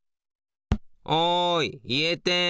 おいいえてん。